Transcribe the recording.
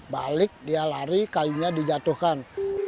balik dia lari kayunya dijatuhkan